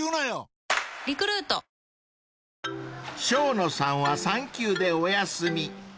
［生野さんは産休でお休み］